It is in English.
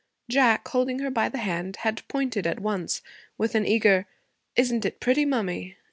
Jack, holding her by the hand, had pointed at once with an eager 'Isn't it pretty, mummy!'